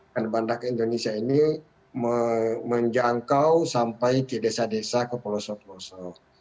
karena bandar indonesia ini menjangkau sampai ke desa desa ke pelosok pelosok